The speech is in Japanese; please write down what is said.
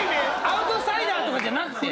「アウトサイダー」とかじゃなくて？